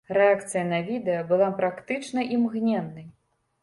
Рэакцыя на відэа была практычна імгненнай.